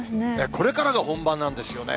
これからが本番なんですよね。